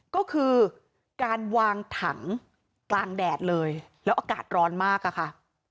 ก็คือการวางถังกลางแดดเลยแล้วอากาศร้อนมากอะค่ะ